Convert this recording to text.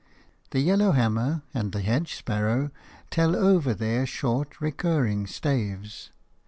The yellowhammer and the hedge sparrow tell over their short, recurring staves.